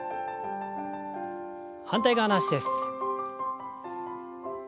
反対側の脚です。